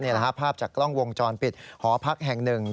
ภาพจากกล้องวงจรปิดหอพักแห่งหนึ่ง